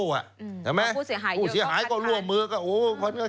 เพราะผู้เสียหายเยอะก็คัดค้านผู้เสียหายก็ร่วมมือก็คัดค้าน